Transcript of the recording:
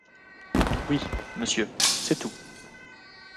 Oui, Monsieur, c’est tout !